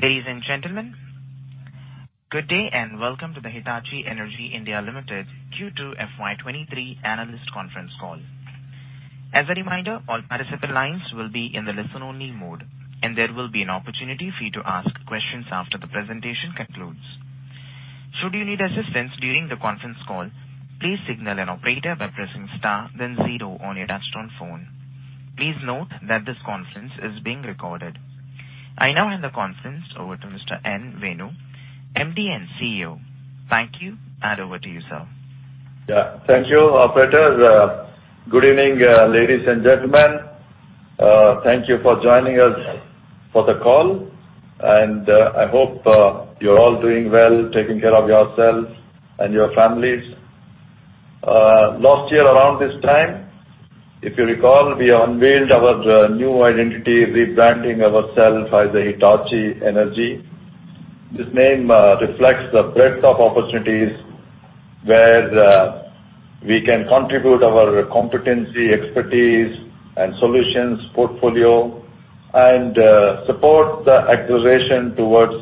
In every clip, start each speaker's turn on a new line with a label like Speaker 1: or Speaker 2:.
Speaker 1: Ladies and gentlemen, good day, and welcome to the Hitachi Energy India Limited Q2 FY 2023 analyst conference call. As a reminder, all participant lines will be in the listen-only mode, and there will be an opportunity for you to ask questions after the presentation concludes. Should you need assistance during the conference call, please signal an operator by pressing star then zero on your touchtone phone. Please note that this conference is being recorded. I now hand the conference over to Mr. Venu Nuguri, MD and CEO. Thank you, and over to you, sir.
Speaker 2: Yeah. Thank you, Operator. Good evening, ladies and gentlemen. Thank you for joining us for the call, and I hope you're all doing well, taking care of yourselves and your families. Last year around this time, if you recall, we unveiled our new identity, rebranding ourselves as Hitachi Energy. This name reflects the breadth of opportunities where we can contribute our competency, expertise and solutions portfolio and support the acceleration towards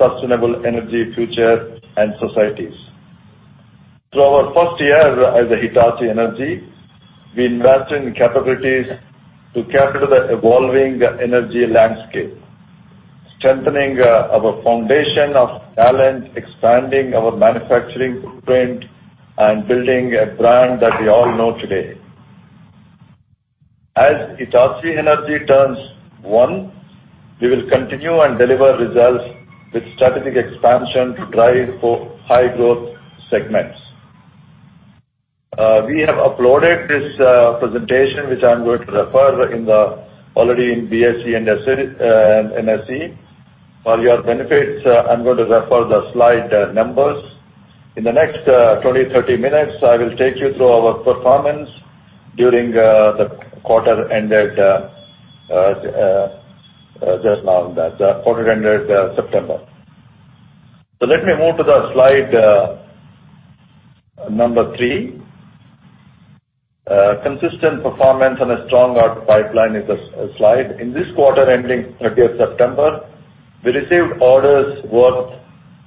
Speaker 2: sustainable energy future and societies. Through our first year as Hitachi Energy, we invested in capabilities to capture the evolving energy landscape, strengthening our foundation of talent, expanding our manufacturing footprint and building a brand that we all know today. As Hitachi Energy turns one, we will continue and deliver results with strategic expansion to drive for high growth segments. We have uploaded this presentation, which I'm going to refer already in BSE and NSE. For your benefit, I'm going to refer the slide numbers. In the next 20-30-minutes, I will take you through our performance during the quarter ended just now, the quarter ended September. Let me move to the slide number three. Consistent performance and a strong order pipeline is the slide. In this quarter ending September 30, we received orders worth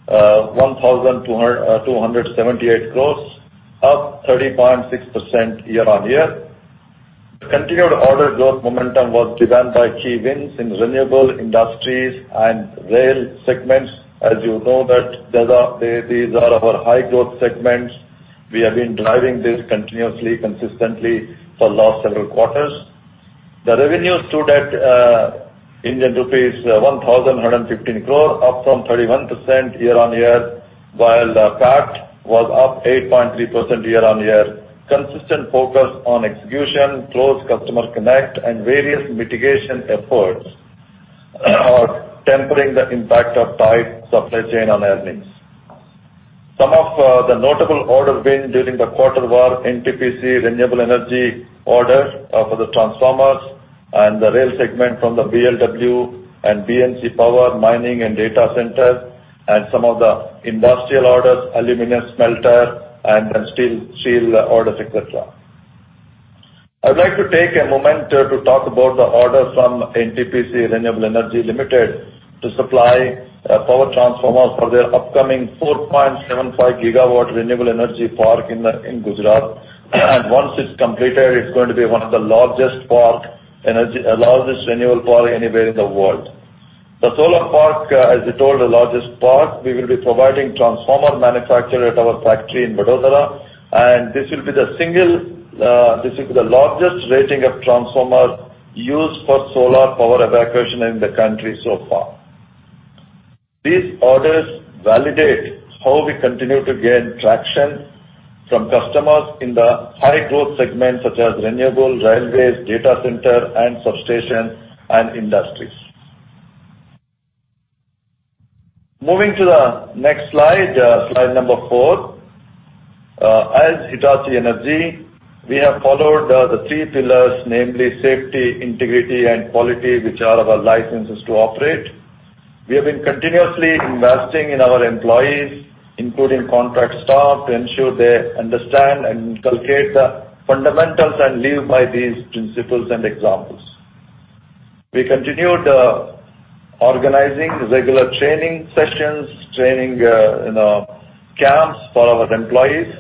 Speaker 2: 1,278 crore, up 30.6% year-on-year. The continued order growth momentum was driven by key wins in renewable industries and rail segments. As you know that these are our high growth segments. We have been driving this continuously, consistently for last several quarters. The revenue stood at Indian rupees 1,115 crore, up 31% year-on-year, while the PAT was up 8.3% year-on-year. Consistent focus on execution, close customer connect and various mitigation efforts are tempering the impact of tight supply chain on earnings. Some of the notable order wins during the quarter were NTPC Renewable Energy order for the transformers and the rail segment from the BLW and BNC Power, mining and data centers, and some of the industrial orders, aluminum smelter and then steel orders, etc. I would like to take a moment to talk about the order from NTPC Renewable Energy Limited to supply power transformers for their upcoming 4.75 GW renewable energy park in Gujarat. Once it's completed, it's going to be one of the largest renewable park anywhere in the world. The solar park, as I told, we will be providing transformer manufacture at our factory in Vadodara, and this will be the largest rating of transformer used for solar power evacuation in the country so far. These orders validate how we continue to gain traction from customers in the high growth segments such as renewables, railways, data center and substation and industries. Moving to the next slide number four. As Hitachi Energy, we have followed the three pillars, namely safety, integrity and quality, which are our licenses to operate. We have been continuously investing in our employees, including contract staff, to ensure they understand and inculcate the fundamentals and live by these principles and examples. We continued organizing regular training sessions, you know, camps for our employees.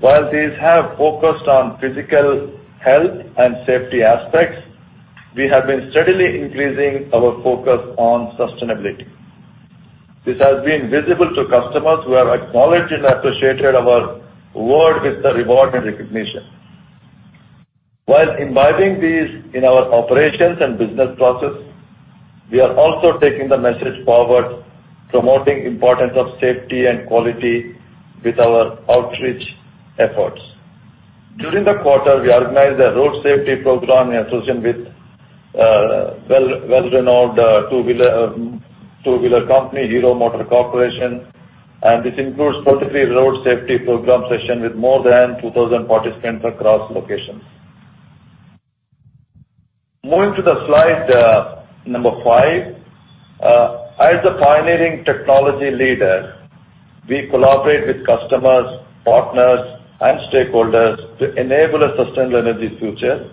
Speaker 2: While these have focused on physical health and safety aspects, we have been steadily increasing our focus on sustainability. This has been visible to customers who have acknowledged and appreciated our work with the reward and recognition. While imbibing these in our operations and business process, we are also taking the message forward, promoting importance of safety and quality with our outreach efforts. During the quarter, we organized a road safety program in association with well-renowned two-wheeler company, Hero MotoCorp, and this includes specifically road safety program session with more than 2,000 participants across locations. Moving to the slide number five. As a pioneering technology leader. We collaborate with customers, partners, and stakeholders to enable a sustainable energy future.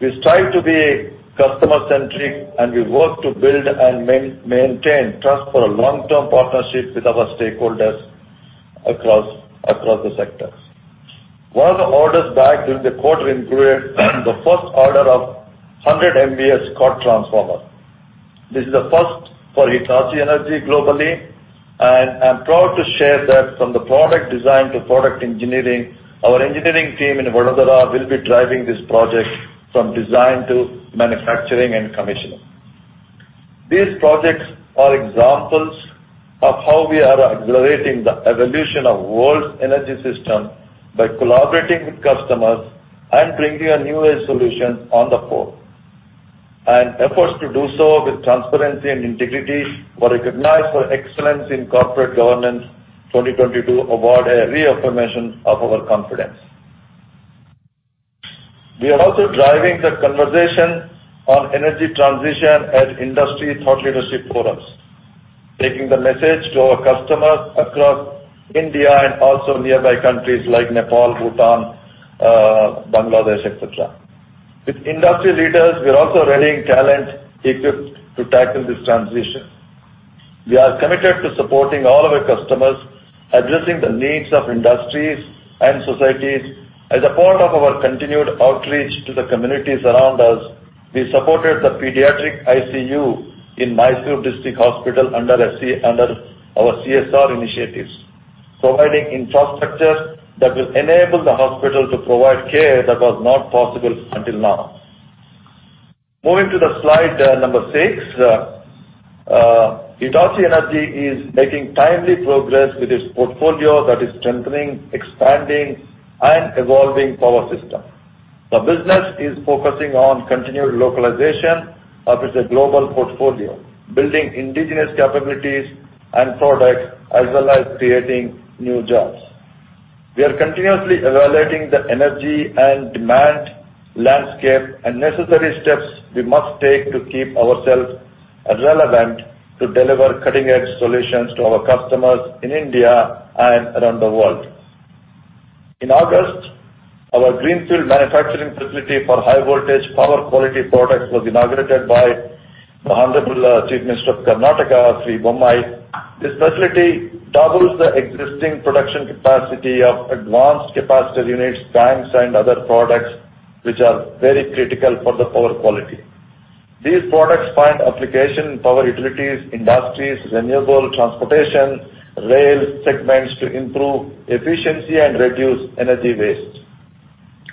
Speaker 2: We strive to be customer-centric, and we work to build and maintain trust for a long-term partnership with our stakeholders across the sectors. One of the orders bagged during the quarter included the first order of 100 MVA Scott transformer. This is a first for Hitachi Energy globally, and I'm proud to share that from the product design to product engineering, our engineering team in Vadodara will be driving this project from design to manufacturing and commissioning. These projects are examples of how we are accelerating the evolution of world's energy system by collaborating with customers and bringing a new age solution to the fore. Efforts to do so with transparency and integrity were recognized for Excellence in Corporate Governance 2022 award, a reaffirmation of our confidence. We are also driving the conversation on energy transition at industry thought leadership forums, taking the message to our customers across India and also nearby countries like Nepal, Bhutan, Bangladesh, etc. With industry leaders, we are also rallying talent equipped to tackle this transition. We are committed to supporting all of our customers, addressing the needs of industries and societies. As a part of our continued outreach to the communities around us, we supported the pediatric ICU in Mysore District Hospital under our CSR initiatives, providing infrastructure that will enable the hospital to provide care that was not possible until now. Moving to the slide number six. Hitachi Energy is making timely progress with its portfolio that is strengthening, expanding, and evolving power system. The business is focusing on continued localization of its global portfolio, building indigenous capabilities and products, as well as creating new jobs. We are continuously evaluating the energy and demand landscape and necessary steps we must take to keep ourselves relevant to deliver cutting-edge solutions to our customers in India and around the world. In August, our greenfield manufacturing facility for high voltage power quality products was inaugurated by the Honorable Chief Minister of Karnataka, Sri Bommai. This facility doubles the existing production capacity of advanced capacitor units, banks, and other products which are very critical for the power quality. These products find application in power utilities, industries, renewable, transportation, rail segments to improve efficiency and reduce energy waste.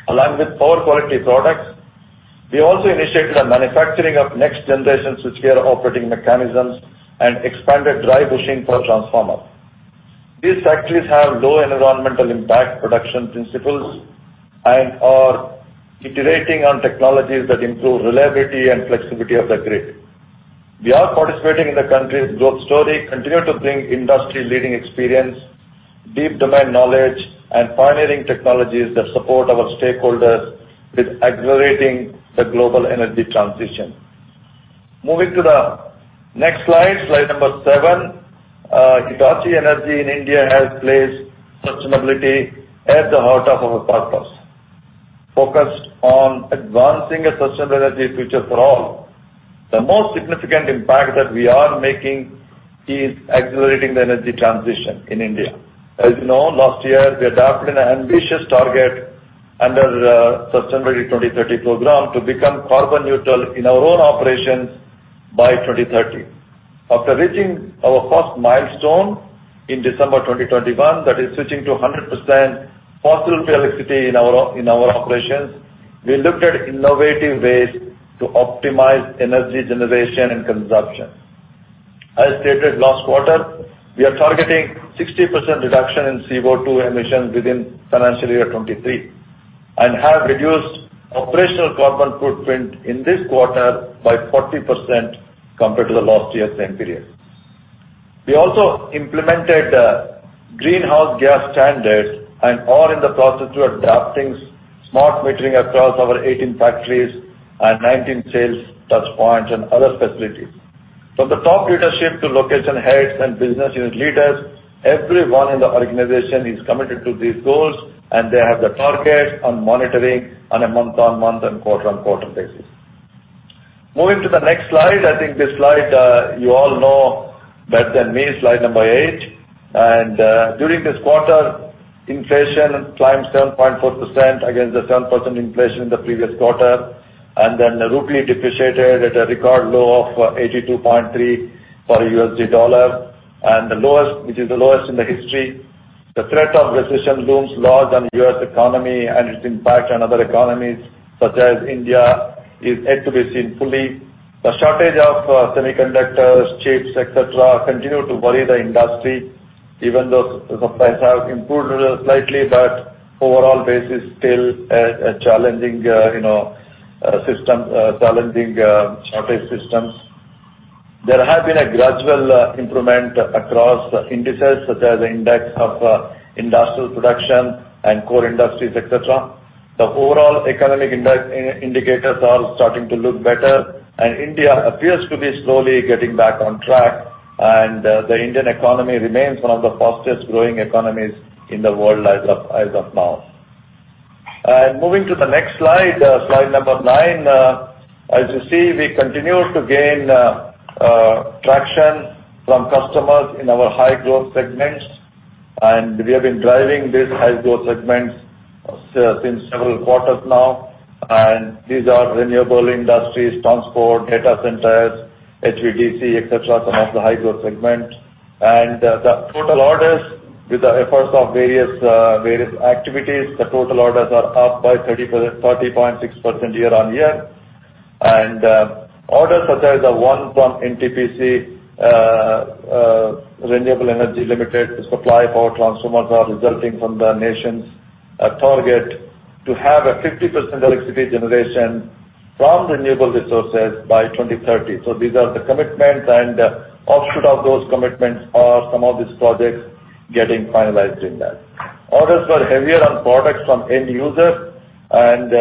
Speaker 2: Along with power quality products, we also initiated the manufacturing of next generation switchgear operating mechanisms and expanded dry bushing for transformers. These factories have low environmental impact production principles and are iterating on technologies that improve reliability and flexibility of the grid. We are participating in the country's growth story, continue to bring industry-leading experience, deep domain knowledge, and pioneering technologies that support our stakeholders with accelerating the global energy transition. Moving to the next slide number seven. Hitachi Energy in India has placed sustainability at the heart of our purpose, focused on advancing a sustainable energy future for all. The most significant impact that we are making is accelerating the energy transition in India. As you know, last year, we adopted an ambitious target under the Sustainability 2030 program to become carbon neutral in our own operations by 2030. After reaching our first milestone in December 2021, that is switching to 100% fossil-free electricity in our operations, we looked at innovative ways to optimize energy generation and consumption. As stated last quarter, we are targeting 60% reduction in CO2 emissions within financial year 2023, and have reduced operational carbon footprint in this quarter by 40% compared to the last year's same period. We also implemented greenhouse gas standards and are in the process of drafting smart metering across our 18 factories and 19 sales touchpoints and other facilities. From the top leadership to location heads and business unit leaders, everyone in the organization is committed to these goals, and they have the targets on monitoring on a month-on-month and quarter-on-quarter basis. Moving to the next slide. I think this slide, you all know better than me, slide number eight. During this quarter, inflation climbed 7.4% against the 7% inflation in the previous quarter. The rupee depreciated at a record low of 82.3 per USD dollar, the lowest in history. The threat of recession looms large on the U.S. economy and its impact on other economies, such as India, is yet to be seen fully. The shortage of semiconductors, chips, etc, continue to worry the industry. Even though supplies have improved slightly, but overall base is still a challenging shortage system. There have been a gradual improvement across indices such as index of industrial production and core industries, etc. The overall economic indicators are starting to look better, and India appears to be slowly getting back on track. The Indian economy remains one of the fastest growing economies in the world as of now. Moving to the next slide number nine. As you see, we continue to gain traction from customers in our high growth segments, and we have been driving these high growth segments since several quarters now. These are renewable industries, transport, data centers, HVDC, etc, some of the high growth segments. The total orders with the efforts of various activities, the total orders are up by 30%, 30.6% year-on-year. Orders such as the one from NTPC Renewable Energy Limited to supply power transformers are resulting from the nation's target to have 50% electricity generation from renewable resources by 2030. These are the commitments, and offshoot of those commitments are some of these projects getting finalized in that. Orders were heavier on products from end users and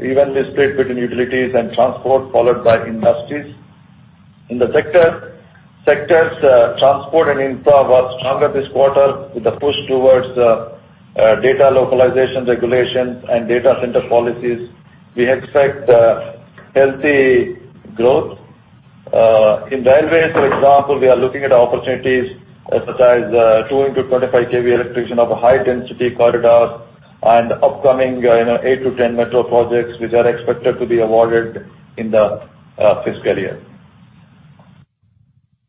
Speaker 2: evenly split between utilities and transport, followed by industries. In the sector, transport and infra was stronger this quarter with a push towards data localization regulations and data center policies. We expect healthy growth. In railways, for example, we are looking at opportunities such as 25 KV electrification of a high density corridor and upcoming, you know, eight to 10 metro projects which are expected to be awarded in the fiscal year.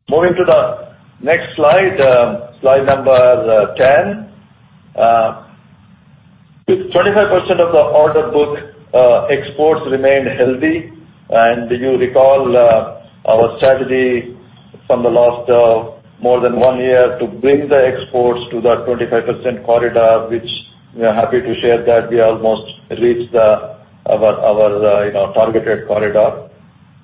Speaker 2: Moving to the next slide number 10. With 25% of the order book, exports remain healthy. You recall our strategy from the last more than one year to bring the exports to the 25% corridor, which we are happy to share that we almost reached our you know targeted corridor.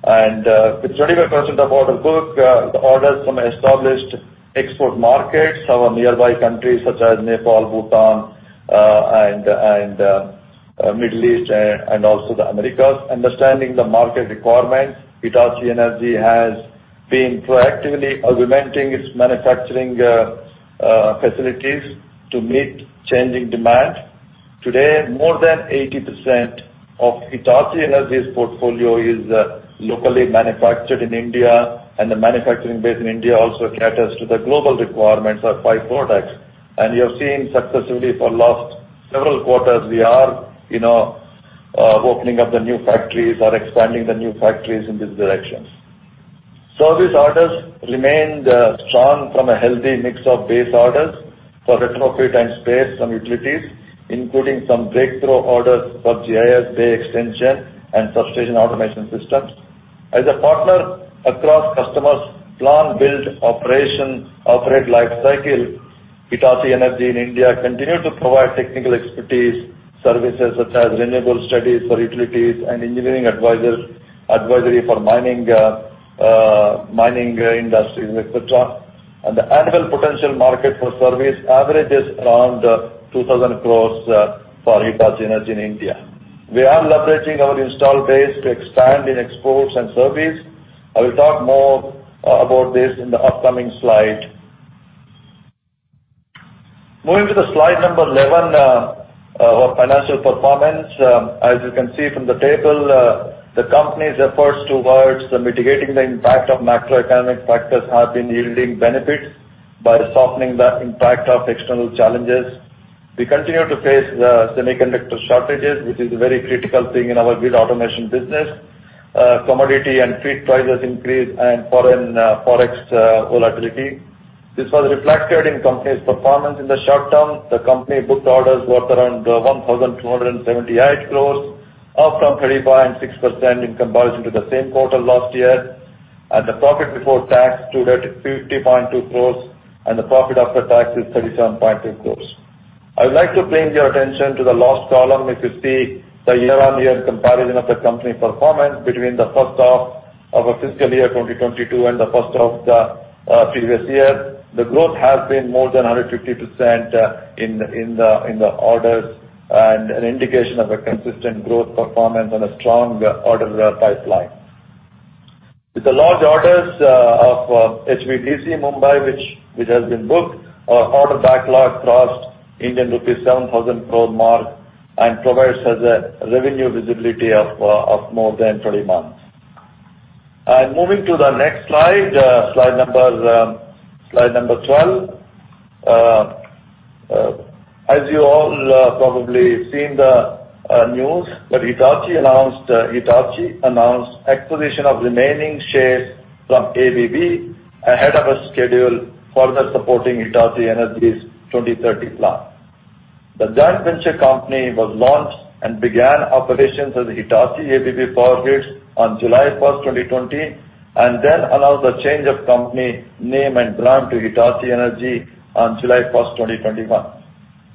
Speaker 2: With 25% of order book the orders from established export markets, our nearby countries such as Nepal, Bhutan, and Middle East and also the Americas. Understanding the market requirements, Hitachi Energy has been proactively augmenting its manufacturing facilities to meet changing demand. Today, more than 80% of Hitachi Energy's portfolio is locally manufactured in India, and the manufacturing base in India also caters to the global requirements of five products. You have seen successively for last several quarters, we are, you know, opening up the new factories or expanding the new factories in these directions. Service orders remained strong from a healthy mix of base orders for retrofit and spares from utilities, including some breakthrough orders for GIS bay extension and substation automation systems. As a partner across customers' plan, build, operate life cycle, Hitachi Energy in India continued to provide technical expertise, services such as renewable studies for utilities and engineering advisory for mining industries, etc. The annual potential market for service averages around 2,000 crore for Hitachi Energy in India. We are leveraging our installed base to expand in exports and service. I will talk more about this in the upcoming slide. Moving to the slide number 11, our financial performance. As you can see from the table, the company's efforts towards the mitigating the impact of macroeconomic factors have been yielding benefits by softening the impact of external challenges. We continue to face semiconductor shortages, which is a very critical thing in our grid automation business, commodity and freight prices increase and foreign Forex volatility. This was reflected in company's performance in the short term. The company booked orders worth around 1,278 crores, up from 30.6% in comparison to the same quarter last year. The profit before tax, 250.2 crores, and the profit after tax is 37.2 crores. I would like to bring your attention to the last column. If you see the year-on-year comparison of the company performance between the first half of our fiscal year 2022 and the first half of the previous year, the growth has been more than 150% in the orders and an indication of a consistent growth performance and a strong order pipeline. With the large orders of HVDC Mumbai, which has been booked, our order backlog crossed Indian rupees 7,000 crore mark and provides us a revenue visibility of more than 20 months. Moving to the next slide number 12. As you all probably seen the news that Hitachi announced acquisition of remaining shares from ABB ahead of schedule, further supporting Hitachi Energy's 2030 plan. The joint venture company was launched and began operations as Hitachi ABB Power Grids on July first, 2020, and then announced the change of company name and brand to Hitachi Energy on July first, 2021.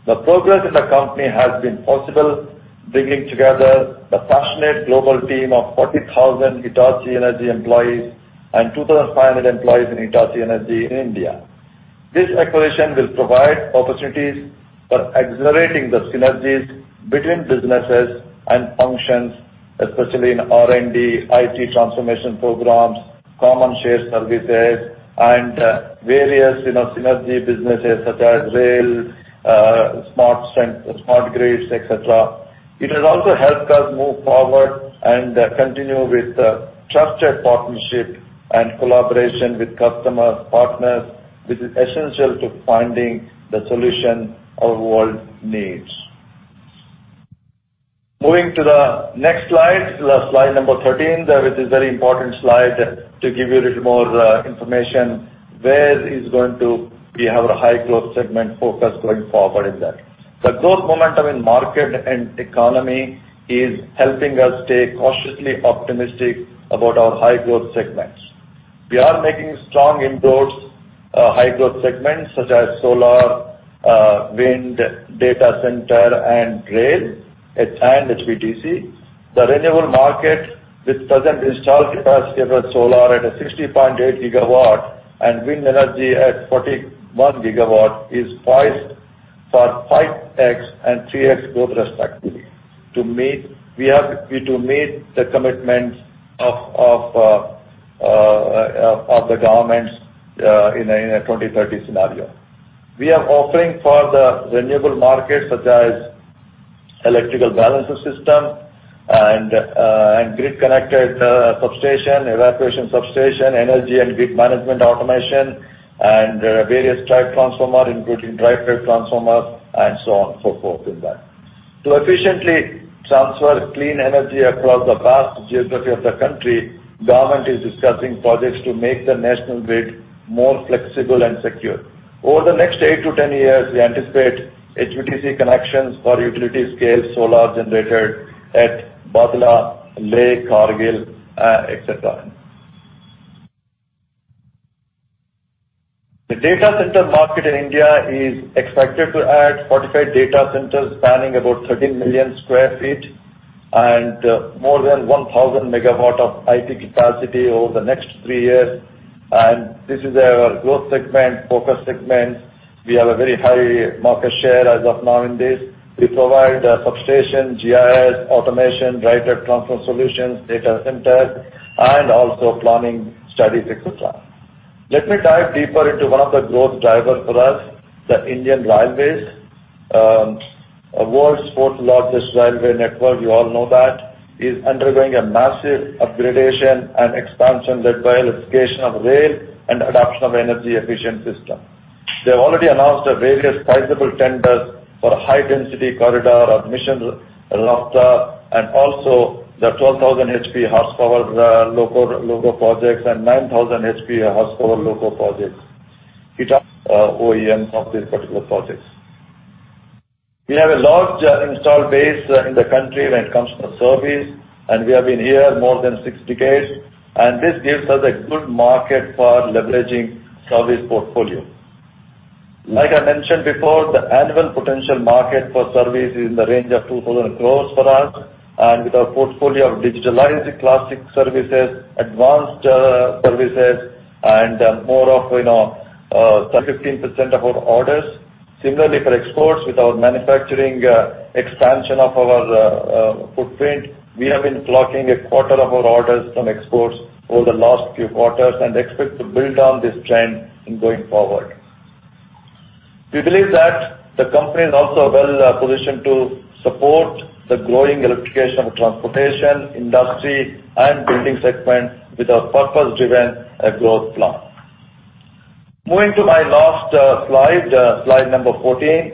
Speaker 2: The progress in the company has been possible, bringing together the passionate global team of 40,000 Hitachi Energy employees and 2,500 employees in Hitachi Energy in India. This acquisition will provide opportunities for accelerating the synergies between businesses and functions, especially in R&D, IT transformation programs, common share services, and various, you know, synergy businesses such as rail, smart grids, etc. It has also helped us move forward and continue with the trusted partnership and collaboration with customers, partners, which is essential to finding the solution our world needs. Moving to the next slide number 13, that is a very important slide to give you a little more information where we are going to have a high growth segment focus going forward in that. The growth momentum in market and economy is helping us stay cautiously optimistic about our high growth segments. We are making strong inroads, high growth segments such as solar, wind, data center and rail and HVDC. The renewable market, which has an installed capacity of solar at 60.8 GW and wind energy at 41 GW, is poised for 5x and 3x growth respectively. To meet the commitments of the governments in a 2030 scenario. We are offering for the renewable market such as electrical balance of system and grid connected substation, evacuation substation, energy and grid management automation and various type transformer, including dry-type transformers and so on and so forth in that. To efficiently transfer clean energy across the vast geography of the country, government is discussing projects to make the national grid more flexible and secure. Over the next eight to 10 years, we anticipate HVDC connections for utility scale solar generated at Bhadla, Leh, Kargil, etc. The data center market in India is expected to add 45 data centers spanning about 13 million sq ft and more than 1,000 MW of IT capacity over the next three years. This is our growth segment, focus segment. We have a very high market share as of now in this. We provide substation, GIS, automation, dry-type transformer solutions, data centers and also planning studies, etc. Let me dive deeper into one of the growth drivers for us, the Indian Railways. World's fourth largest railway network, you all know that, is undergoing a massive upgradation and expansion led by electrification of rail and adoption of energy efficient system. They have already announced various sizable tenders for high density corridor of Mission Raftaar, and also the 12,000 HP horsepower, loco projects and 9,000 HP horsepower loco projects. Hitachi OEM of these particular projects. We have a large installed base in the country when it comes to service, and we have been here more than six decades, and this gives us a good market for leveraging service portfolio. Like I mentioned before, the annual potential market for service is in the range of 200 crores for us and with our portfolio of digitalized classic services, advanced, services and more of, you know, 10%-15% of our orders. Similarly, for exports, with our manufacturing, expansion of our, footprint, we have been clocking a quarter of our orders from exports over the last few quarters and expect to build on this trend going forward. We believe that the company is also well positioned to support the growing electrification of transportation, industry and building segment with our purpose-driven, growth plan. Moving to my last slide number 14.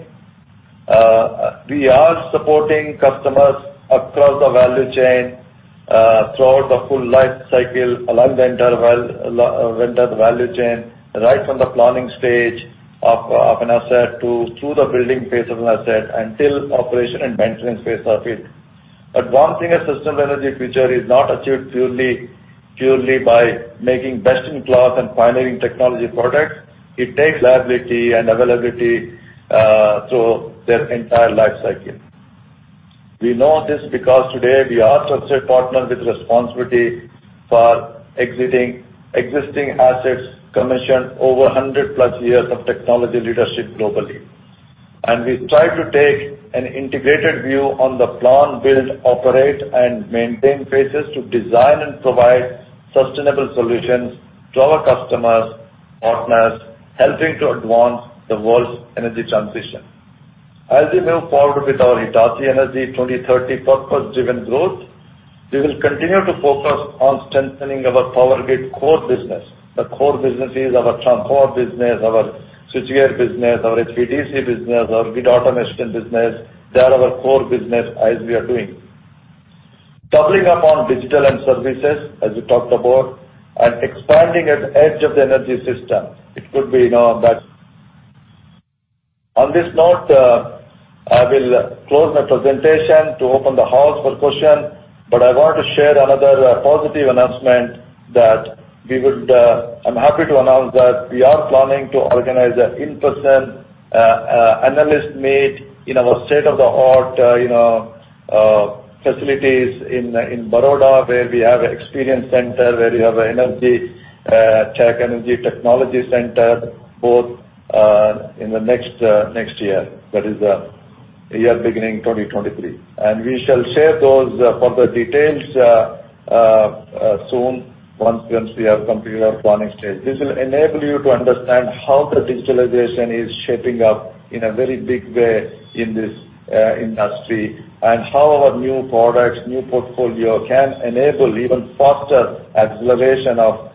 Speaker 2: We are supporting customers across the value chain, throughout the full lifecycle, along the value chain, right from the planning stage of an asset to through the building phase of an asset until operation and maintenance phase of it. Advancing a sustainable energy future is not achieved purely by making best in class and pioneering technology products. It takes reliability and availability through their entire life cycle. We know this because today we are trusted partner with responsibility for existing assets commissioned over 100+ years of technology leadership globally. We try to take an integrated view on the plan, build, operate and maintain phases to design and provide sustainable solutions to our customers, partners, helping to advance the world's energy transition. As we move forward with our Hitachi Energy 2030 purpose-driven growth, we will continue to focus on strengthening our power grid core business. The core business is our transformer business, our switchgear business, our HVDC business, our grid automation business. They are our core business as we are doing. Doubling up on digital and services, as we talked about, and expanding at the edge of the energy system. It could be, you know, that. On this note, I will close my presentation to open the floor for questions, but I want to share another positive announcement. I'm happy to announce that we are planning to organize an in-person analyst meet in our state-of-the-art, you know, facilities in Baroda, where we have an experience center, where we have an energy tech energy technology center, both in the next year. That is year beginning 2023. We shall share the details soon once we have completed our planning stage. This will enable you to understand how the digitalization is shaping up in a very big way in this industry and how our new products, new portfolio can enable even faster acceleration of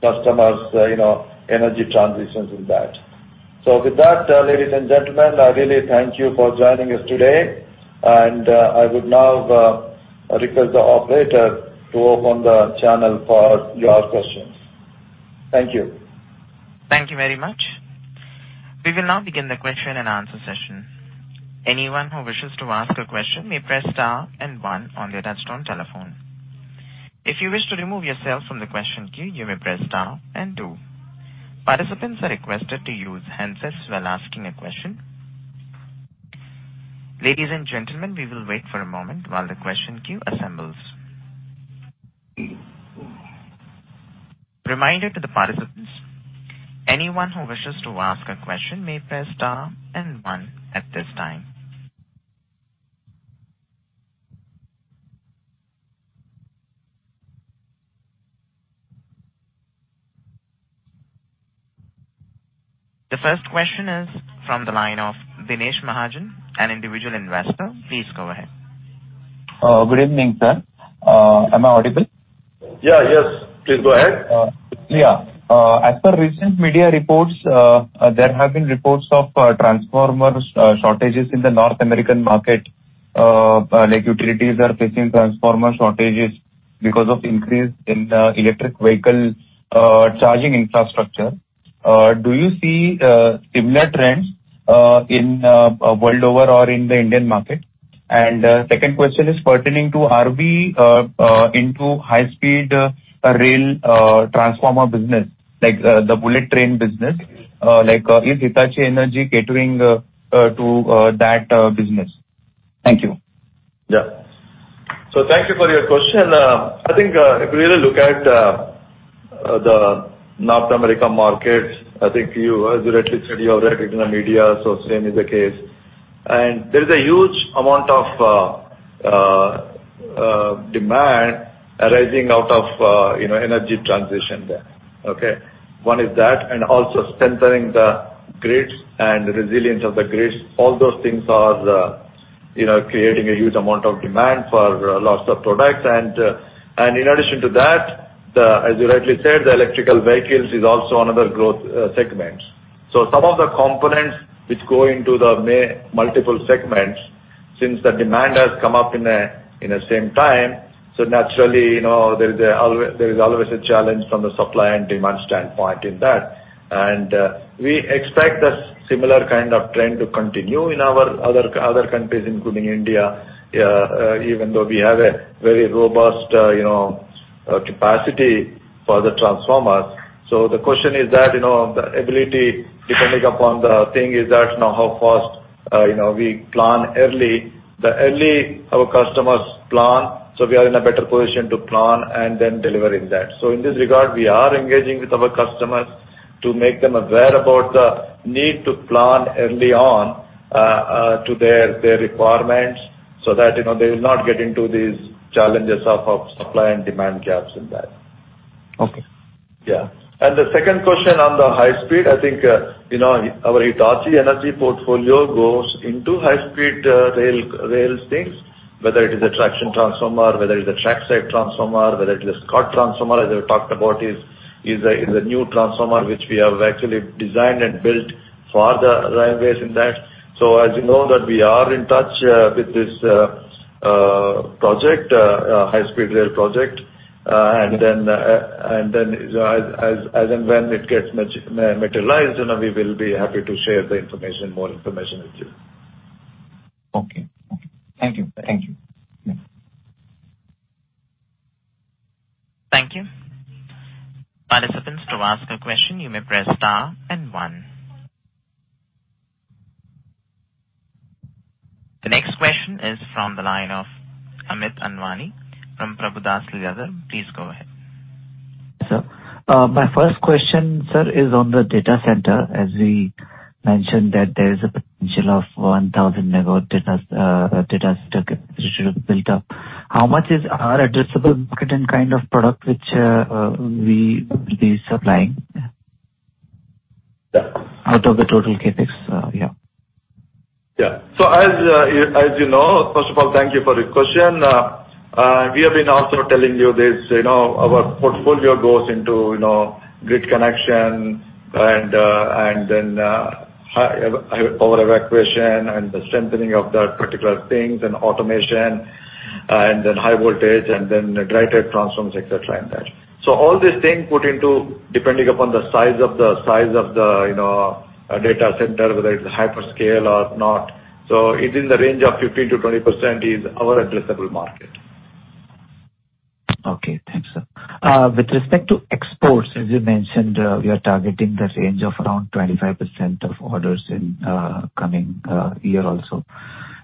Speaker 2: customers, you know, energy transitions in that. With that, ladies and gentlemen, I really thank you for joining us today, and I would now request the operator to open the channel for your questions. Thank you.
Speaker 1: Thank you very much. We will now begin the question and answer session. Anyone who wishes to ask a question may press star and one on your touchtone telephone. If you wish to remove yourself from the question queue, you may press star and two. Participants are requested to use handsets while asking a question. Ladies and gentlemen, we will wait for a moment while the question queue assembles. Reminder to the participants. Anyone who wishes to ask a question may press star and one at this time. The first question is from the line of Dinesh Mahajan, an individual investor. Please go ahead.
Speaker 3: Good evening, sir. Am I audible?
Speaker 2: Yeah. Yes. Please go ahead.
Speaker 3: Yeah. As per recent media reports, there have been reports of transformer shortages in the North American market, like utilities are facing transformer shortages because of increase in the electric vehicle charging infrastructure. Do you see similar trends in world over or in the Indian market? Second question is pertaining to are we into high speed rail transformer business like the bullet train business? Like, is Hitachi Energy catering to that business? Thank you.
Speaker 2: Yeah. Thank you for your question. I think, if you really look at the North America markets, I think you, as you rightly said, you have read it in the media, same is the case. There is a huge amount of demand arising out of energy transition there. One is that, and also strengthening the grids and resilience of the grids. All those things are creating a huge amount of demand for lots of products. In addition to that, as you rightly said, the electric vehicles is also another growth segment. Some of the components which go into the multiple segments since the demand has come up at the same time. Naturally, you know, there is always a challenge from the supply and demand standpoint in that. We expect a similar kind of trend to continue in our other countries, including India, even though we have a very robust, you know, capacity for the transformers. The question is that, you know, the ability depending upon the thing is that how fast, you know, we plan early. The early our customers plan, so we are in a better position to plan and then deliver in that. In this regard, we are engaging with our customers to make them aware about the need to plan early on, to their requirements so that, you know, they will not get into these challenges of supply and demand gaps in that.
Speaker 3: Okay.
Speaker 2: Yeah. The second question on the high speed, I think, you know, our Hitachi Energy portfolio goes into high speed rail, rails things, whether it is a traction transformer, whether it's a track side transformer, whether it is a Scott transformer, as I talked about, is a new transformer which we have actually designed and built for the railways in that. As you know that we are in touch with this project, high-speed rail project. And then as and when it gets materialized, you know, we will be happy to share the information, more information with you.
Speaker 3: Okay. Thank you. Thank you.
Speaker 1: Thank you. Participants, to ask a question, you may press star and one. The next question is from the line of Amit Anwani from Prabhudas Lilladher. Please go ahead.
Speaker 4: Sir, my first question, sir, is on the data center. As we mentioned that there is a potential of 1,000 MW data center to build up. How much is our addressable market and kind of product which we will be supplying?
Speaker 2: Yeah.
Speaker 4: Out of the total CapEx. Yeah.
Speaker 2: Yeah. As you know, first of all, thank you for your question. We have been also telling you this, you know, our portfolio goes into, you know, grid connection and then power evacuation and the strengthening of the particular things and automation, and then high voltage and then dry-type transformers, etc, and that. All these things put into depending upon the size of the, you know, data center, whether it's a hyperscale or not. It's in the range of 15%-20% is our addressable market.
Speaker 4: Okay. Thanks, sir. With respect to exports, as you mentioned, we are targeting the range of around 25% of orders in coming year also.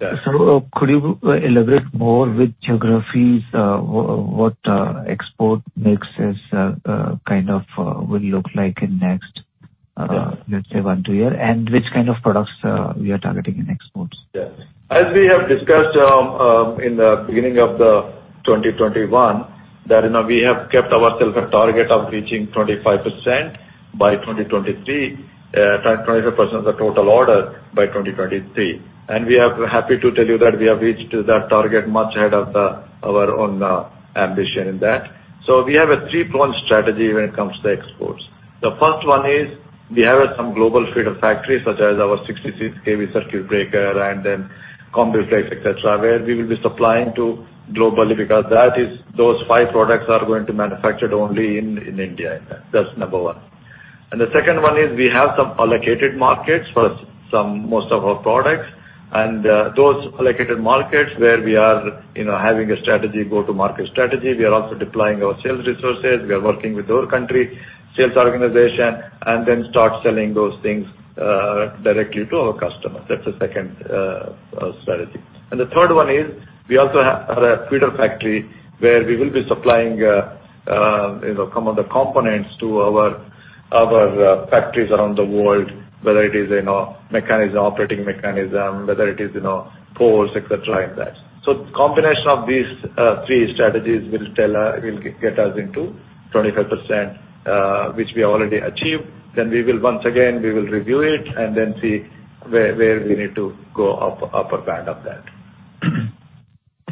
Speaker 2: Yes.
Speaker 4: Could you elaborate more with geographies, what export mix is, kind of, will look like in next?
Speaker 2: Yeah.
Speaker 4: Let's say one to two year, and which kind of products we are targeting in exports?
Speaker 2: As we have discussed, in the beginning of 2021, you know, we have kept ourself a target of reaching 25% by 2023, 25% of the total order by 2023. We are happy to tell you that we have reached that target much ahead of our own ambition in that. We have a three-pronged strategy when it comes to exports. The first one is we have some global feeder factories, such as our 66 KV circuit breaker and then COMBIFLEX, etc., where we will be supplying globally, because those five products are going to be manufactured only in India. That's number one. The second one is we have some allocated markets for some, most of our products, and those allocated markets where we are, you know, having a strategy, go-to-market strategy. We are also deploying our sales resources. We are working with our country sales organization and then start selling those things directly to our customers. That's the second strategy. The third one is we also have a feeder factory where we will be supplying, you know, some of the components to our factories around the world, whether it is, you know, mechanism, operating mechanism, whether it is, you know, poles, etc, like that. Combination of these three strategies will get us into 25%, which we already achieved. We will once again review it and then see where we need to go up, upper band of that.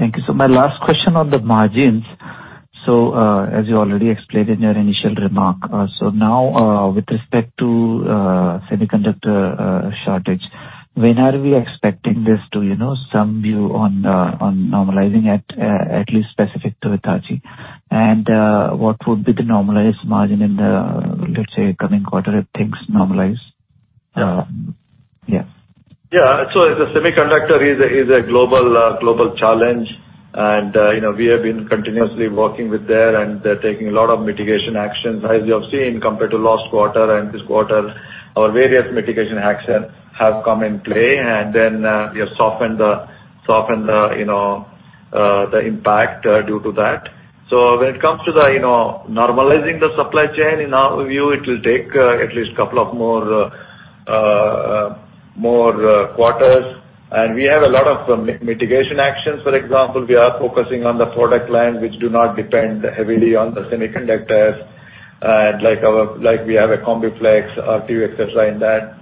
Speaker 4: Thank you. My last question on the margins. As you already explained in your initial remark, now, with respect to semiconductor shortage, when are we expecting this to, you know, some view on normalizing at least specific to Hitachi? And, what would be the normalized margin in the, let's say, coming quarter if things normalize? Yeah.
Speaker 2: Yeah. The semiconductor is a global challenge. We have been continuously working with them, and they're taking a lot of mitigation actions. As you have seen, compared to last quarter and this quarter, our various mitigation actions have come into play. We have softened the impact due to that. When it comes to normalizing the supply chain, in our view, it will take at least a couple of more quarters. We have a lot of mitigation actions. For example, we are focusing on the product line, which do not depend heavily on the semiconductors, and like our COMBIFLEX, RTU, etc.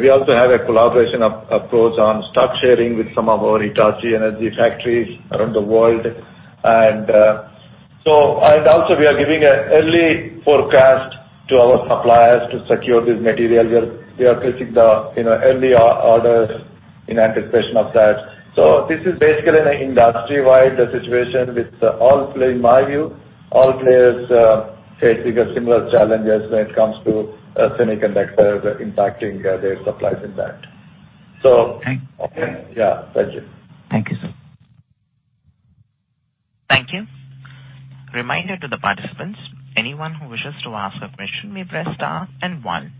Speaker 2: We also have a collaboration approach on stock sharing with some of our Hitachi Energy factories around the world. We are giving an early forecast to our suppliers to secure this material. We are placing the, you know, early orders in anticipation of that. This is basically an industry-wide situation with all players, in my view, facing similar challenges when it comes to semiconductors impacting their supplies impact.
Speaker 4: Thank you.
Speaker 2: Yeah. Thank you.
Speaker 4: Thank you, sir.
Speaker 1: Thank you. Reminder to the participants, anyone who wishes to ask a question may press star and one.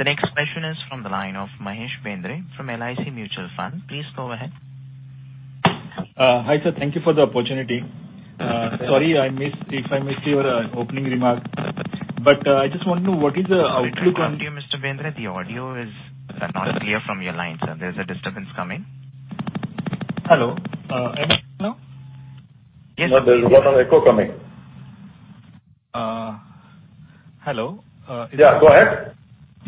Speaker 1: The next question is from the line of Mahesh Bendre from LIC Mutual Fund. Please go ahead.
Speaker 5: Hi, sir. Thank you for the opportunity. Sorry if I missed your opening remark, but I just want to know what is the outlook on?
Speaker 1: Mr. Bendre, the audio is not clear from your line, sir. There's a disturbance coming.
Speaker 5: Hello? Am I clear now?
Speaker 1: Yes.
Speaker 2: No, there's a lot of echo coming.
Speaker 5: Hello?
Speaker 2: Yeah, go ahead.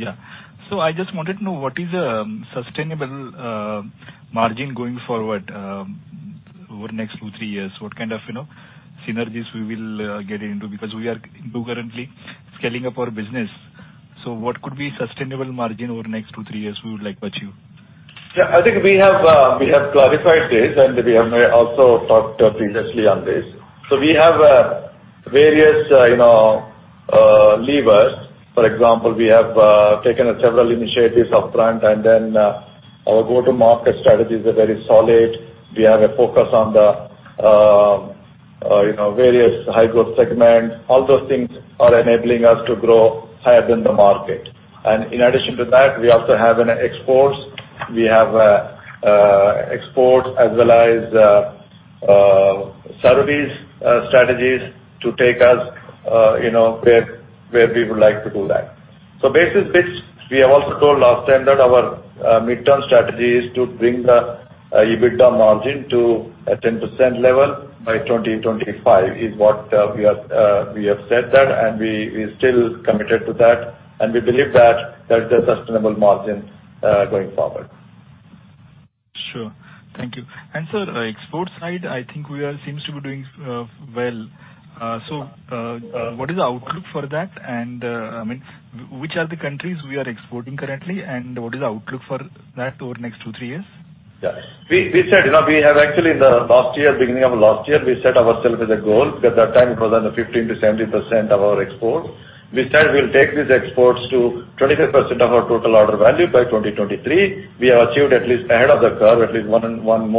Speaker 5: I just wanted to know what is a sustainable margin going forward over the next two to three years? What kind of, you know, synergies we will get into? Because we are currently scaling up our business, so what could be sustainable margin over next two to three years we would like to achieve?
Speaker 2: Yeah. I think we have clarified this, and we have also talked previously on this. We have various, you know, levers. For example, we have taken several initiatives upfront, and then, our go-to-market strategies are very solid. We have a focus on the, you know, various high growth segments. All those things are enabling us to grow higher than the market. In addition to that, we also have exports. We have exports as well as service strategies to take us, you know, where we would like to do that. Based on this, we have also told last time that our mid-term strategy is to bring the EBITDA margin to a 10% level by 2025, is what we have said that, and we still committed to that, and we believe that that's a sustainable margin going forward.
Speaker 5: Sure. Thank you. Sir, export side, I think we seem to be doing well. What is the outlook for that? I mean, which are the countries we are exporting to currently, and what is the outlook for that over the next two to three years?
Speaker 2: We said, you know, we have actually in the last year, beginning of last year, we set ourselves with a goal because at that time it was under 15%-17% of our exports. We said we'll take these exports to 23% of our total order value by 2023. We have achieved at least ahead of the curve, more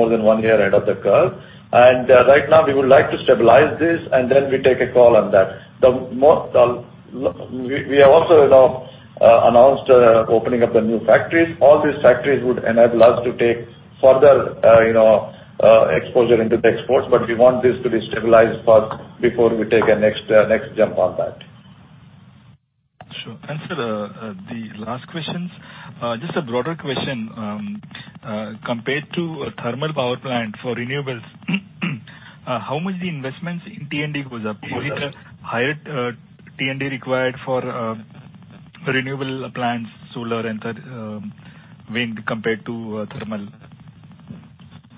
Speaker 2: than one year ahead of the curve. Right now we would like to stabilize this and then we take a call on that. We have also, you know, announced opening up the new factories. All these factories would enable us to take further, you know, exposure into the exports. We want this to be stabilized first before we take a next jump on that.
Speaker 5: Sure. Sir, the last question, just a broader question. Compared to a thermal power plant for renewables, how much the investments in T&D goes up? Is it a higher T&D required for renewable plants, solar and wind compared to thermal?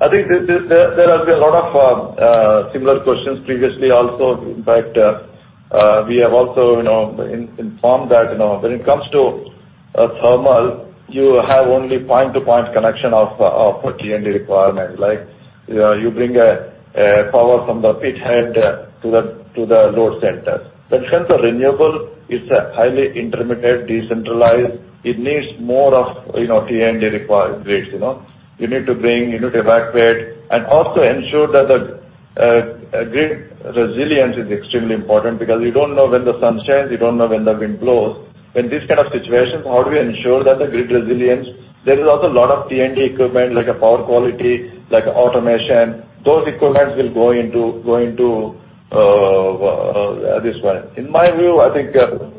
Speaker 2: I think there has been a lot of similar questions previously also. In fact, we have also, you know, informed that, you know, when it comes to thermal, you have only point-to-point connection of T&D requirement. Like, you know, you bring power from the pithead to the load center. Since the renewable is a highly intermittent, decentralized, it needs more of, you know, T&D require grids, you know. You need to bring, you need to evacuate and also ensure that the grid resilience is extremely important because you don't know when the sun shines, you don't know when the wind blows. In these kind of situations, how do we ensure that the grid resilience? There is also a lot of T&D equipment like a power quality, like automation. Those equipments will go into this one. In my view, I think,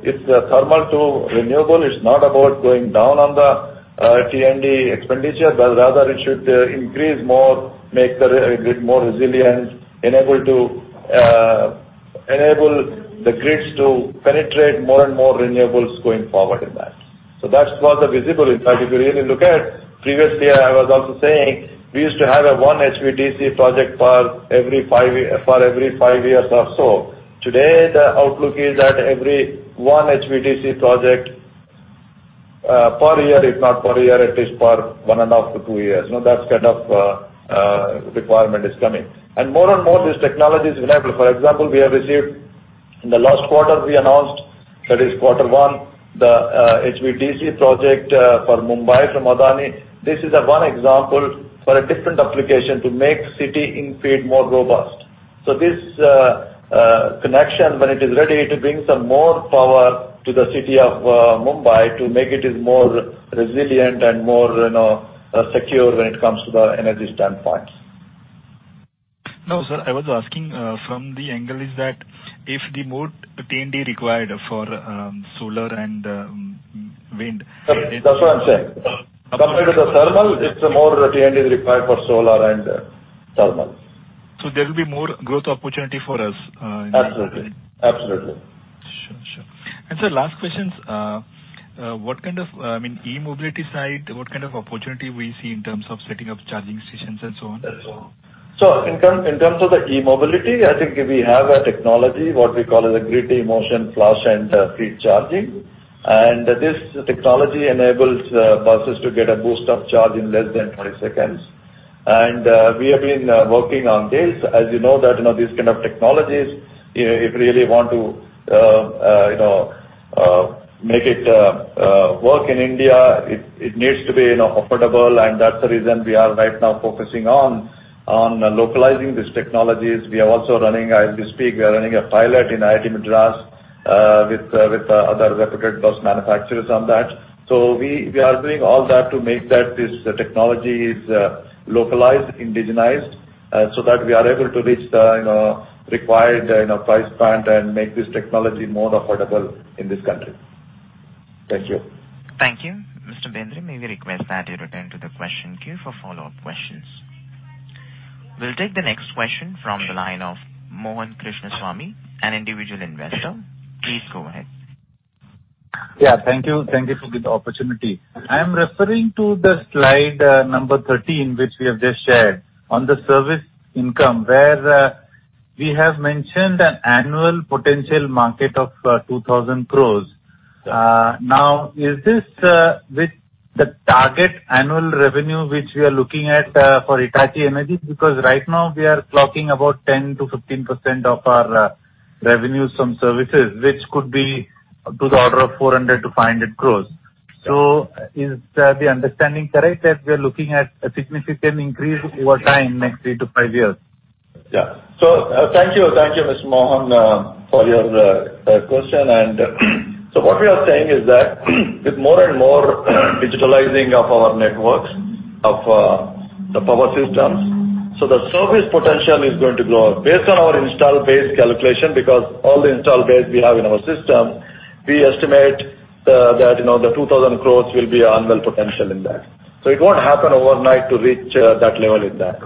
Speaker 2: it's thermal to renewable. It's not about going down on the T&D expenditure, but rather it should increase more, make the grid more resilient, enable the grids to penetrate more and more renewables going forward in that. That was the visibility. In fact, if you really look at previously I was also saying we used to have one HVDC project every five years or so. Today, the outlook is at every one HVDC project per year. If not per year, at least per one and half to two years. You know, that kind of requirement is coming. More and more this technology is reliable. For example, we have receive- In the last quarter, we announced, that is quarter one, the HVDC project for Mumbai from Adani. This is one example for a different application to make city infeed more robust. This connection when it is ready to bring some more power to the city of Mumbai to make it is more resilient and more, you know, secure when it comes to the energy standpoint.
Speaker 5: No, sir, I was asking from the angle is that if the more T&D required for solar and wind.
Speaker 2: That's what I'm saying. Compared to the thermal, it's more T&D required for solar and thermals.
Speaker 5: There will be more growth opportunity for us, in that.
Speaker 2: Absolutely. Absolutely.
Speaker 5: Sure. Sir, last question. What kind of, I mean, e-mobility side, what kind of opportunity we see in terms of setting up charging stations and so on?
Speaker 2: In terms of the e-mobility, I think we have a technology, what we call as a Grid-eMotion Flash and Grid-eMotion Fleet charging. This technology enables buses to get a boost of charge in less than 20-seconds. We have been working on this. As you know that, you know, these kind of technologies, you know, if you really want to, you know, make it work in India, it needs to be, you know, affordable. That's the reason we are right now focusing on localizing these technologies. We are also running, as we speak, we are running a pilot in IIT Madras with other reputed bus manufacturers on that. We are doing all that to make that this technology is localized, indigenized, so that we are able to reach the, you know, required, you know, price point and make this technology more affordable in this country. Thank you.
Speaker 1: Thank you. Mr. Bendre, may we request that you return to the question queue for follow-up questions. We'll take the next question from the line of Mohan Krishnaswamy, an Individual Investor. Please go ahead.
Speaker 6: Yeah, thank you. Thank you for giving the opportunity. I am referring to the slide 13, which we have just shared on the service income, where we have mentioned an annual potential market of 2,000 crores. Now, is this with the target annual revenue which we are looking at for Hitachi Energy? Because right now we are clocking about 10%-15% of our revenues from services, which could be to the order of 400 crores-500 crores. Is the understanding correct that we are looking at a significant increase over time, next three to five years?
Speaker 2: Thank you, Mr. Mohan, for your question. What we are saying is that with more and more digitalizing of our networks, of the power systems, so the service potential is going to grow. Based on our installed base calculation, because all the installed base we have in our system, we estimate that, you know, the 2,000 crore will be annual potential in that. It won't happen overnight to reach that level in that.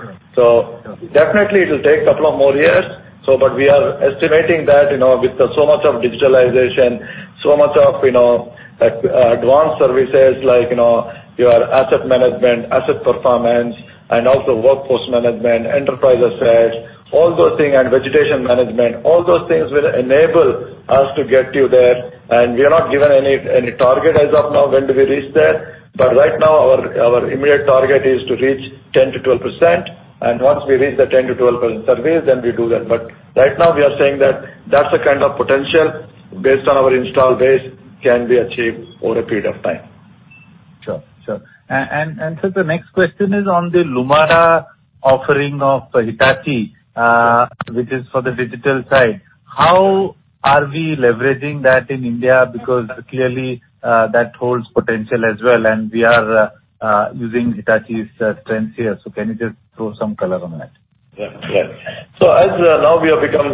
Speaker 2: Definitely it will take couple of more years. We are estimating that, you know, with so much of digitalization, so much of, you know, advanced services like, you know, your asset management, asset performance, and also workforce management, enterprise assets, all those things, and vegetation management, all those things will enable us to get you there. We are not given any target as of now when do we reach there. Right now our immediate target is to reach 10%-12%. Once we reach the 10%-12% service, then we do that. Right now we are saying that that's the kind of potential based on our install base can be achieved over a period of time.
Speaker 6: Sure. The next question is on the Lumada offering of Hitachi, which is for the digital side. How are we leveraging that in India? Because clearly, that holds potential as well, and we are using Hitachi's trends here. Can you just throw some color on that?
Speaker 2: As of now, we have become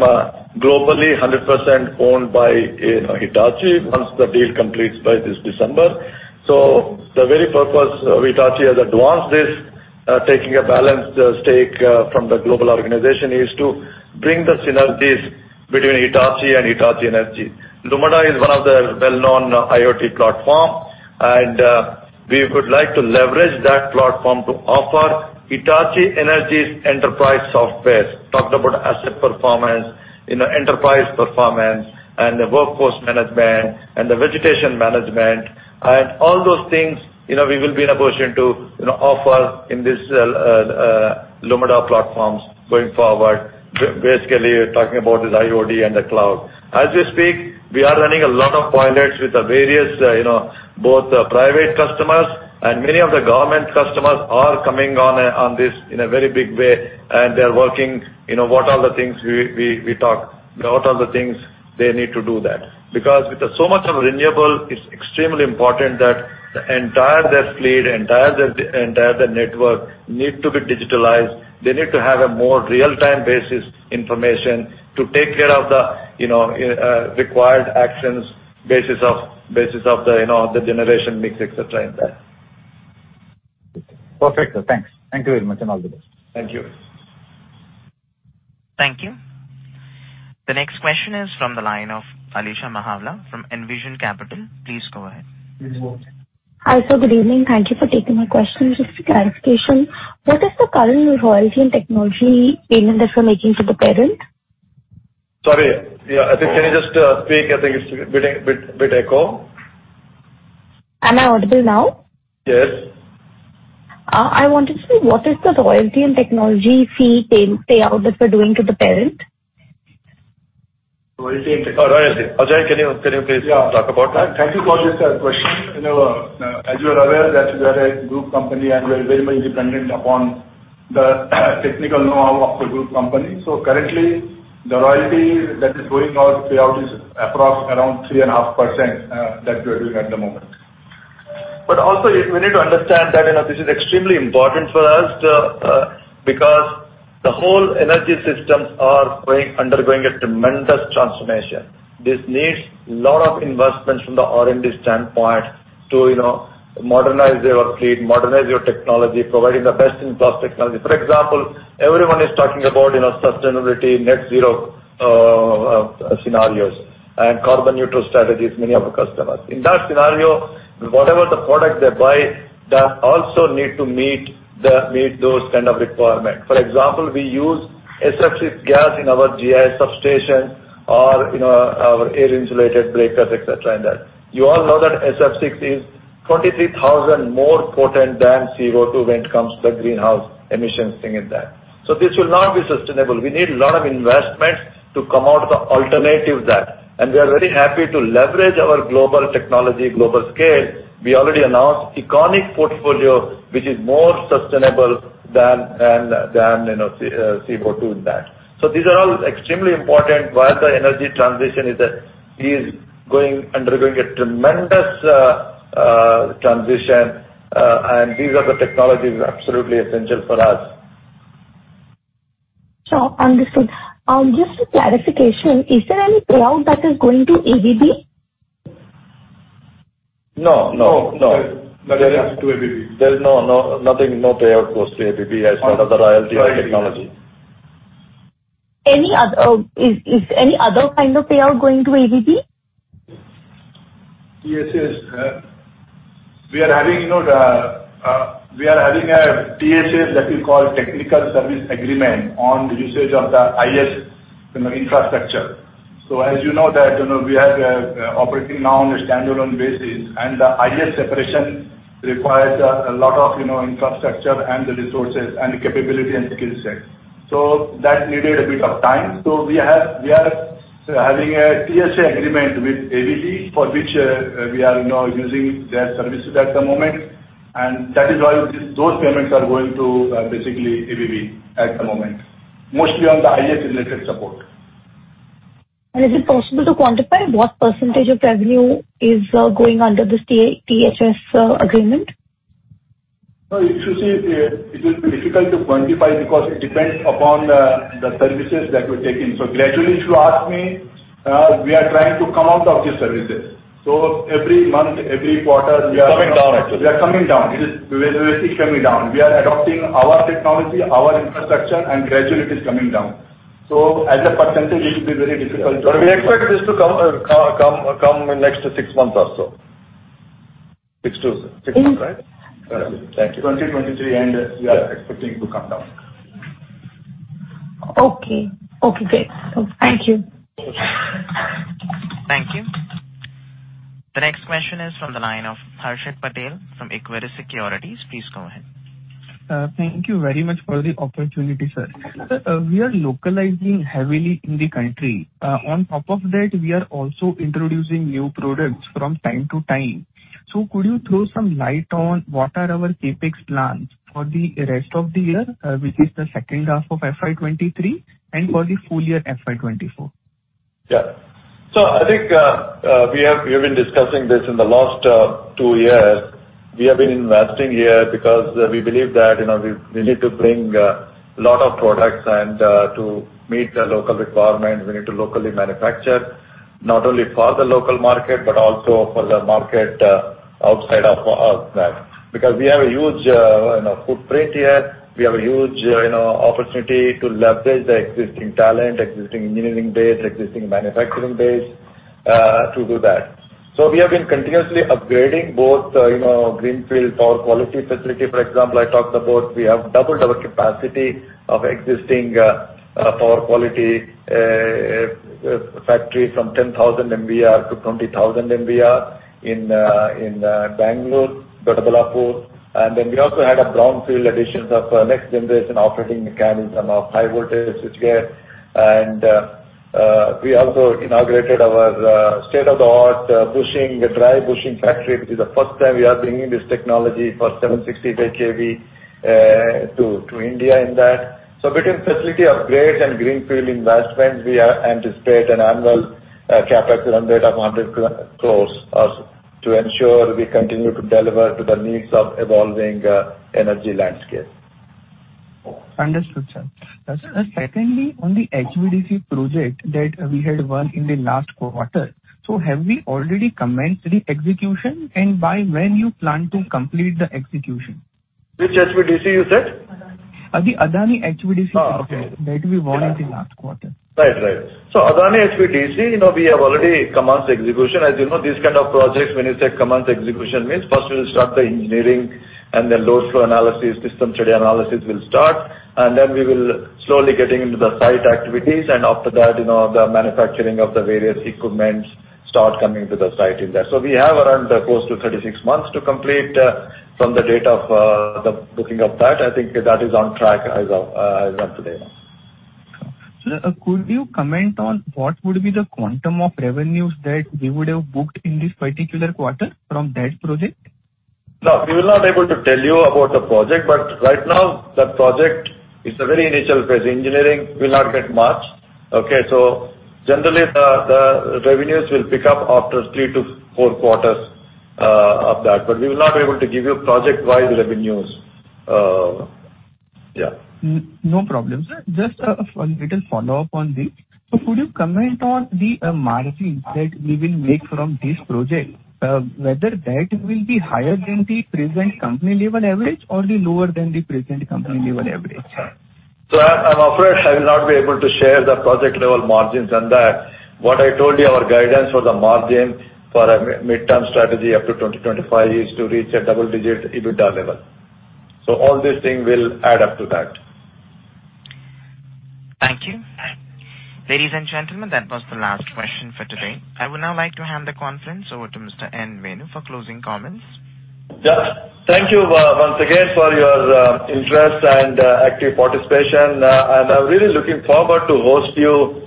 Speaker 2: globally 100% owned by, you know, Hitachi once the deal completes by this December. The very purpose Hitachi has advanced this taking a balanced stake from the global organization is to bring the synergies between Hitachi and Hitachi Energy. Lumada is one of the well-known IoT platform, and we would like to leverage that platform to offer Hitachi Energy's enterprise software. Talked about asset performance, you know, enterprise performance and the workforce management and the vegetation management and all those things, you know, we will be in a position to, you know, offer in this Lumada platforms going forward. Basically you're talking about is IoT and the cloud. As we speak, we are running a lot of pilots with the various, you know, both private customers and many of the government customers are coming on this in a very big way, and they are working, you know, what are the things we talked, what are the things they need to do that. Because with so much of renewable, it's extremely important that the entire their fleet, entire the network need to be digitalized. They need to have a more real-time basis information to take care of the, you know, required actions basis of the, you know, the generation mix, etc in that.
Speaker 6: Perfect, sir. Thanks. Thank you very much, and all the best.
Speaker 2: Thank you.
Speaker 1: Thank you. The next question is from the line of Alisha Mahawala from Envision Capital. Please go ahead.
Speaker 2: Please go on.
Speaker 7: Hi, sir. Good evening. Thank you for taking my question. Just a clarification, what is the current royalty and technology payment that we're making to the parent?
Speaker 2: Sorry. Yeah, I think can you just speak? I think it's a bit echo.
Speaker 7: Am I audible now?
Speaker 2: Yes.
Speaker 7: I wanted to know what is the royalty and technology fee payout that we're doing to the parent?
Speaker 8: Royalty and technology.
Speaker 2: Oh, royalty. Ajay, can you please talk about that?
Speaker 8: Yeah. Thank you for this question. You know, as you are aware that we are a group company and we're very much dependent upon the technical know-how of the group company. Currently the royalty that is going out payout is approx around 3.5%, that we are doing at the moment.
Speaker 2: We need to understand that, you know, this is extremely important for us, because the whole energy systems are undergoing a tremendous transformation. This needs lot of investments from the R&D standpoint to, you know, modernize their fleet, modernize your technology, providing the best-in-class technology. For example, everyone is talking about, you know, sustainability, net zero, scenarios and carbon neutral strategies, many of our customers. In that scenario, whatever the product they buy, that also need to meet those kind of requirements. For example, we use SF6 gas in our GIS substation or, you know, our air insulated breakers, etc., and that. You all know that SF6 is 23,000 more potent than CO2 when it comes to the greenhouse emissions thing in that. This will not be sustainable. We need a lot of investments to come out with the alternative that, and we are very happy to leverage our global technology, global scale. We already announced EconiQ portfolio, which is more sustainable than, you know, CO2 in that. These are all extremely important. While the energy transition is undergoing a tremendous transition, and these are the technologies absolutely essential for us.
Speaker 7: Sure. Understood. Just a clarification, is there any payout that is going to ABB?
Speaker 2: No, no.
Speaker 8: No. There is nothing to ABB.
Speaker 2: There's nothing, no payout goes to ABB as per the royalty and technology.
Speaker 7: Any other-- Is any other kind of payout going to ABB?
Speaker 2: Yes, yes. We are having, you know, a TSA that we call Technical Service Agreement on the usage of the IS, you know, infrastructure. As you know that, you know, we are operating now on a standalone basis, and the IS separation requires a lot of, you know, infrastructure and the resources and capability and skill set. That needed a bit of time. We are having a TSA agreement with ABB for which we are now using their services at the moment, and that is why those payments are going to basically ABB at the moment, mostly on the IS related support.
Speaker 7: Is it possible to quantify what percentage of the revenue is going under this TSA agreement?
Speaker 8: No. If you see, it is difficult to quantify because it depends upon the services that we're taking. Gradually, if you ask me, we are trying to come out of these services. Every month, every quarter, we are.
Speaker 2: It's coming down actually.
Speaker 8: We are coming down.
Speaker 2: We're basically coming down.
Speaker 8: We are adopting our technology, our infrastructure, and gradually it is coming down. As a percentage, it will be very difficult to-- We expect this to come in next six months or so. Six months, right?
Speaker 2: Yeah. Thank you. 2023, end, we are expecting to come down.
Speaker 7: Okay, great. Thank you.
Speaker 1: Thank you. The next question is from the line of Harshit Patel from Equirus Securities. Please go ahead.
Speaker 9: Thank you very much for the opportunity, sir. Sir, we are localizing heavily in the country. On top of that, we are also introducing new products from time to time. Could you throw some light on what are our CapEx plans for the rest of the year, which is the second half of FY 2023, and for the full year FY 2024?
Speaker 2: Yeah. I think we have been discussing this in the last two years. We have been investing here because we believe that, you know, we need to bring lot of products and to meet the local requirements, we need to locally manufacture not only for the local market, but also for the market outside of that. Because we have a huge, you know, footprint here. We have a huge, you know, opportunity to leverage the existing talent, existing engineering base, existing manufacturing base to do that. We have been continuously upgrading both, you know, greenfield power quality facility, for example. I talked about we have doubled our capacity of existing power quality factory from 10,000 MVAR to 20,000 MVAR in Bangalore, Doddaballapur. We also had a brownfield addition of next generation operating mechanisms on our high voltage switchgear. We also inaugurated our state-of-the-art dry bushing factory. This is the first time we are bringing this technology for 760 kV to India in that. Between facility upgrades and greenfield investments, we anticipate an annual CapEx spend rate of 100 crores to ensure we continue to deliver to the needs of evolving energy landscape.
Speaker 9: Understood, sir. Secondly, on the HVDC project that we had won in the last quarter, so have we already commenced the execution, and by when you plan to complete the execution?
Speaker 2: Which HVDC you said?
Speaker 9: The Adani HVDC project that we won in the last quarter.
Speaker 2: Right. Adani HVDC, you know, we have already commenced execution. As you know, these kind of projects, when you say commenced execution, means first we'll start the engineering and the load flow analysis, system study analysis will start, and then we will slowly getting into the site activities, and after that, you know, the manufacturing of the various equipment start coming to the site in there. We have around close to 36-months to complete, from the date of the booking of that. I think that is on track as of today.
Speaker 9: Sir, could you comment on what would be the quantum of revenues that we would have booked in this particular quarter from that project?
Speaker 2: No, we will not be able to tell you about the project, but right now that project is in a very initial phase. Engineering will not get much. Okay? Generally, the revenues will pick up after three to four quarters of that, but we will not be able to give you project-wide revenues. Yeah.
Speaker 9: No problem. Just a little follow-up on this. Could you comment on the margins that we will make from this project, whether that will be higher than the present company level average or the lower than the present company level average?
Speaker 2: I'm afraid I will not be able to share the project level margins on that. What I told you, our guidance for the margin for a midterm strategy up to 2025 is to reach a double-digit EBITDA level. All these things will add up to that.
Speaker 1: Thank you. Ladies and gentlemen, that was the last question for today. I would now like to hand the conference over to Mr. N. Venu for closing comments.
Speaker 2: Yeah. Thank you once again for your interest and active participation. I'm really looking forward to host you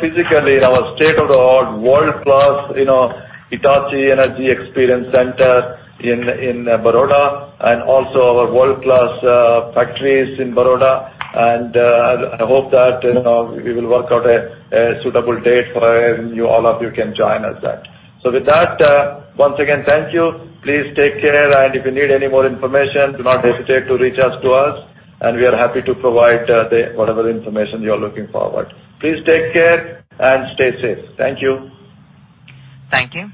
Speaker 2: physically in our state-of-the-art, world-class, you know, Hitachi Energy Experience Center in Baroda, and also our world-class factories in Baroda. I hope that, you know, we will work out a suitable date where you all of you can join us there. With that, once again, thank you. Please take care, and if you need any more information, do not hesitate to reach us, and we are happy to provide the whatever information you're looking forward. Please take care and stay safe. Thank you.
Speaker 1: Thank you.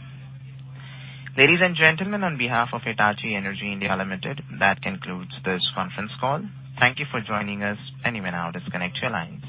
Speaker 1: Ladies and gentlemen, on behalf of Hitachi Energy India Limited, that concludes this conference call. Thank you for joining us. You may now disconnect your lines.